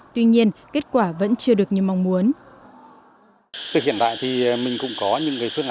tuy nhiên kết quả vẫn chưa được như mong muốn